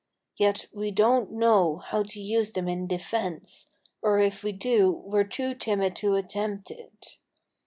Yet we don't know how to use them in defence, or if we do we're too timid to attempt it.